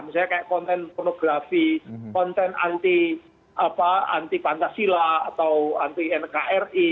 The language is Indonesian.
misalnya kayak konten pornografi konten anti pancasila atau anti nkri